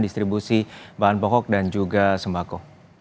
distribusi bahan pokok dan juga sembako